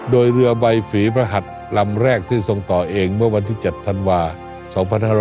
โดยเรือใบฝีพระหัสลำแรกที่ทรงต่อเองเมื่อวันที่๗ธันวา๒๕๖๐